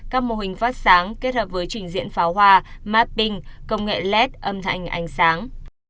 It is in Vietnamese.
các mô hình phát sáng kết hợp với trình diễn pháo hoa mapping công nghệ led âm thanh ánh sáng